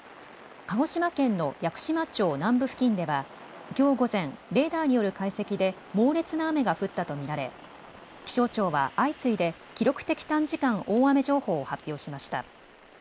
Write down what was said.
鹿児島県の屋久島町南部付近ではきょう午前、レーダーによる解析で猛烈な雨が降ったと見られ、気象庁は相次いで記録的短時間大雨情報を発表しました。